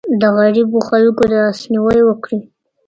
د غريبو خلګو لاسنيوی وکړئ.